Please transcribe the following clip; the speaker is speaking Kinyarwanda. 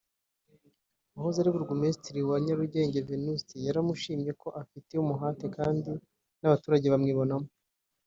wahoze ari Burugumesitiri wa Nyarugenge Venuste yaramushimye ko “afite umuhate kandi n’abaturage bamwibonamo